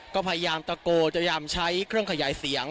ก็พยายามตะโกนใช้เครื่องขยายเสียง